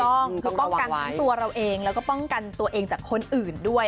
ถูกต้องคือป้องกันทั้งตัวเราเองแล้วก็ป้องกันตัวเองจากคนอื่นด้วย